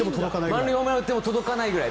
満塁ホームラン打っても届かないぐらい。